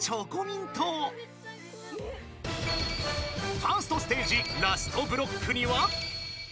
［ファーストステージラストブロックには］